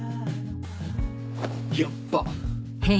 ヤッバ。